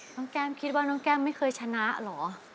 แก้มคิดว่าน้องแก้มไม่เคยชนะเหรอ